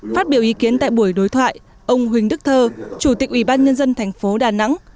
phát biểu ý kiến tại buổi đối thoại ông huỳnh đức thơ chủ tịch ủy ban nhân dân thành phố đà nẵng